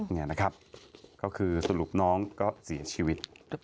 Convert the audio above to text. นี่นะครับก็คือสรุปน้องก็เสียชีวิต